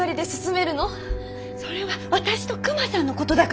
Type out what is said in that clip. それは私とクマさんのことだからでしょ？